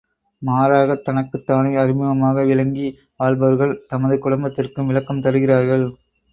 மாறாகத் தனக்குத்தானே அறிமுகமாக விளங்கி வாழ்பவர்கள், தமது குடும்பத்திற்கும் விளக்கம் தருகிறார்கள்.